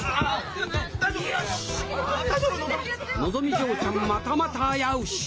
のぞみ嬢ちゃんまたまた危うし！